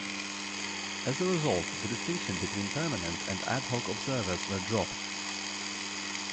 As a result, the distinction between permanent and ad hoc observers were dropped.